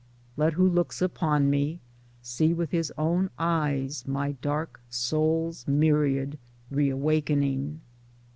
[Let who looks upon me see with his own eyes my dark soul's myriad re awakening.